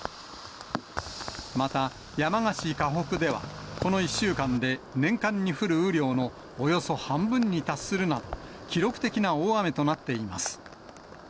また、山鹿市鹿北ではこの１週間で、年間に降る雨量のおよそ半分に達するなど、記録的な大雨となっています。